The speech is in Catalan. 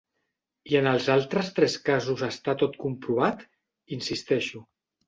I en els altres tres casos està tot comprovat? —insisteixo.